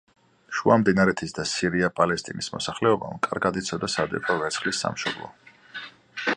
შუამდინარეთის და სირია-პალესტინის მოსახლეობამ კარგად იცოდა, სად იყო ვერცხლის სამშობლო.